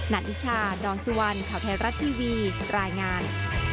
นานิชาดองสุวรรณเขาแท้รัฐทีวีรายงาน